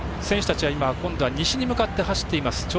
選手たちは西に向かって走っています。